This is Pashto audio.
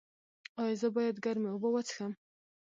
ایا زه باید ګرمې اوبه وڅښم؟